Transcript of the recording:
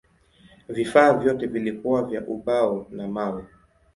Vifaa vyote vilikuwa vya ubao na mawe.